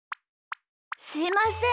すいません。